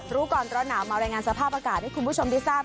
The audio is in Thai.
รู้ก่อนร้อนหนาวมารายงานสภาพอากาศให้คุณผู้ชมได้ทราบ